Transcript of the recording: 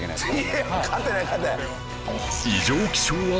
いや勝てない勝てない。